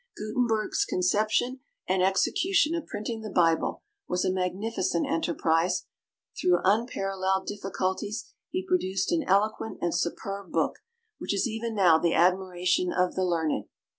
Gutenberg's conception and execution of printing the Bible was a magnificent enterprise; through unparalleled difficulties, he produced an eloquent and superb book, which is even now the admiration of the learned.